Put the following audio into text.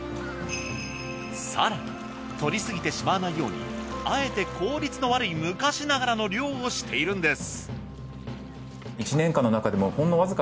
更に獲りすぎてしまわないようにあえて効率の悪い昔ながらの漁をしているんです。